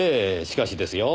しかしですよ